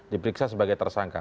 diperiksa sebagai tersangka